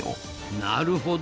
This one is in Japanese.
なるほど。